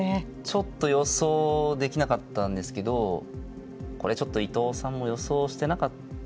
ちょっと予想できなかったんですけどこれちょっと伊藤さんも予想してなかったでしょうね